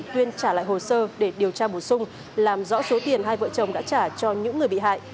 tuyên trả lại hồ sơ để điều tra bổ sung làm rõ số tiền hai vợ chồng đã trả cho những người bị hại